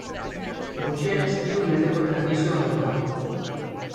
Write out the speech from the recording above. Gutxienez hiru mendeko tradizioa dauka.